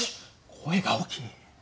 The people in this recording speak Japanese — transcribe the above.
声が大きい。